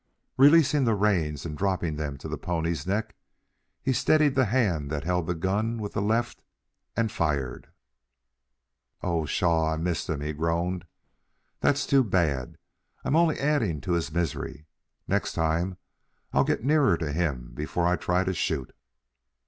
Releasing the reins and dropping them to the pony's neck, he steadied the hand that held the gun with the left and fired. "Oh, pshaw, I missed him!" he groaned. "That's too bad. I'm only adding to his misery. Next time I'll get nearer to him before I try to shoot."